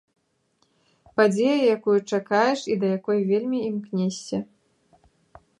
Падзея, якую чакаеш, і да якой вельмі імкнешся.